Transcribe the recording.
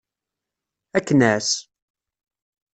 Ad k-nɛass.